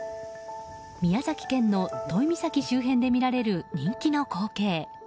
宮崎県の都井岬周辺で見られる人気の光景。